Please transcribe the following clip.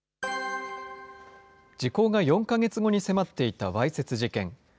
時効が４か月後に迫っていたわいせつ事件。